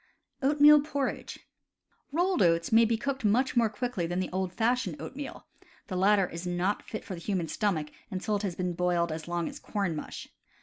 Oatmeal Porridge. — Rolled oats may be cooked much more quickly than the old fashioned oatmeal; the lat ter is not fit for the human stomach until it has been boiled as long as corn mush.